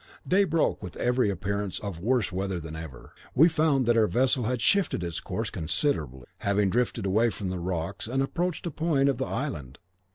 "Day broke with every appearance of worse weather than ever, and we found that our vessel had shifted its course considerably, having drifted away from the rocks and approached a point of the island.